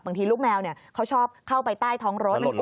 ลูกแมวเขาชอบเข้าไปใต้ท้องรถ